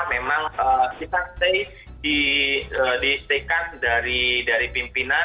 memang kita stay di staykan dari pimpinan